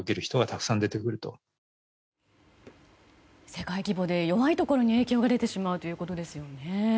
世界規模で弱いところに影響が出てしまうということですね。